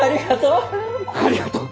ありがとう！